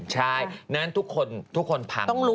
ใช่ฉะนั้นทุกคนทุกคนพัง